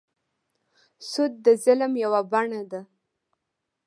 سود د ظلم یوه بڼه ده.